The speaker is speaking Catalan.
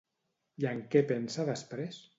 I en què pensa després?